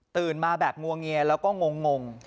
ตื่นมาแบบมั่วเงียแล้วก็งง